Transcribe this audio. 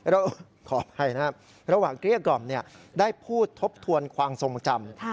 ขออภัยนะครับระหว่างเกลี้ยกล่อมได้พูดทบทวนความทรงจำ